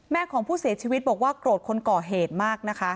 ของผู้เสียชีวิตบอกว่าโกรธคนก่อเหตุมากนะคะ